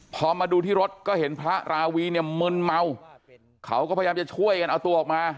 พอมาดูที่รถก็เห็นพระราวีเนี่ยมึนเมาเขาก็พยายามจะช่วยกันเอาตัวออกมา